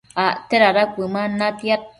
acte dada cuëman natiad